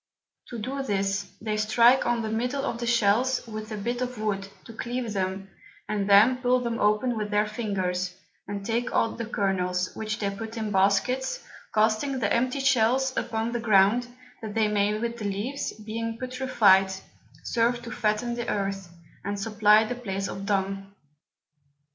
To do this, they strike on the middle of the Shells with a Bit of Wood to cleave them, and then pull them open with their Fingers, and take out the Kernels, which they put in Baskets, casting the empty Shells upon the Ground, that they may with the Leaves, being putrified, serve to fatten the Earth, and supply the Place of Dung.